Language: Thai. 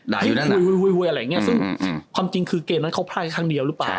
คุยอะไรอย่างเงี้ยซึ่งความจริงคือเกมนั้นเขาไพร่ครั้งเดียวหรือเปล่า